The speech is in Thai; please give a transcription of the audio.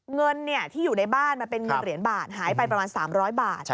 เงินที่อยู่ในบ้านมันเป็นเงินเหรียญบาทหายไปประมาณ๓๐๐บาท